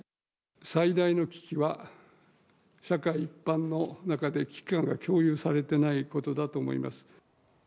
最大の危機は、社会一般の中で危機感が共有されてないことだと思います。